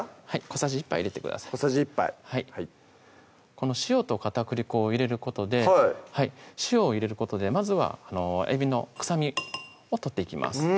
小さじ１杯はいこの塩と片栗粉を入れることで塩を入れることでまずはえびの臭みを取っていきます